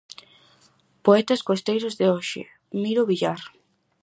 Poetas costeiros de hoxe: Miro Villar.